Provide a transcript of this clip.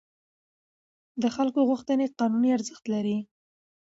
د خلکو غوښتنې قانوني ارزښت لري.